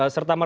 serta mas bas